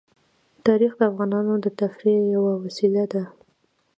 تاریخ د افغانانو د تفریح یوه وسیله ده.